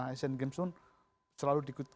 nah sea games pun selalu dikutuk